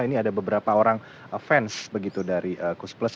ini ada beberapa orang fans begitu dari kus plus